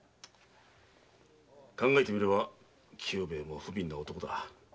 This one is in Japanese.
考えてみれば久兵衛も不憫な男だ。